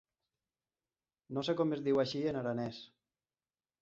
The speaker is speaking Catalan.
No sé com es diu així en aranès.